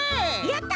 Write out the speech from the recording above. やった！